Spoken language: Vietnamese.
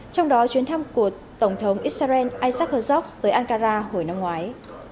trong đó chuyến thăm của tổng thống israel isaac herzog với ankara hồi năm ngoái